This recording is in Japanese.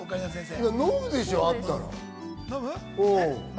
飲むでしょう、あったら。